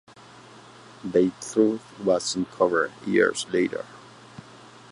The truth was uncovered years later.